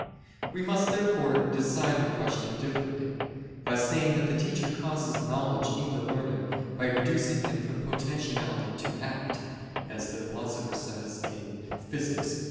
We must therefore decide the question differently, by saying that the teacher causes knowledge in the learner, by reducing him from potentiality to act, as the Philosopher says (Phys.